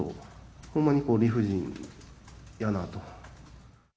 ほんまに理不尽やなと。